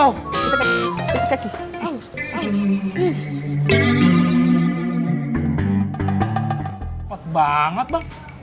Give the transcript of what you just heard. cepet banget bang